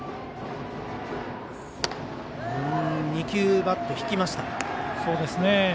２球、バットを引きました。